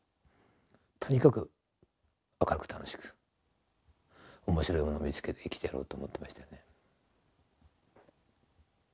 とにかく明るく楽しく面白いものを見つけて生きてやろうと思ってましたよね。